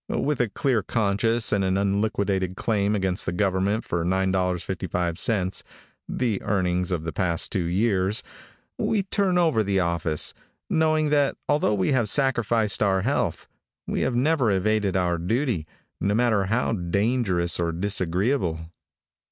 With a clear conscience and an unliquidated claim against the government for $9.55, the earnings of the past two years, we turn over the office, knowing that although we have sacrificed our health, we have never evaded our duty, no matter how dangerous or disagreeable.